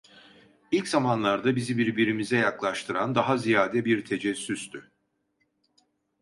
İlk zamanlarda bizi birbirimize yaklaştıran daha ziyade bir tecessüstü.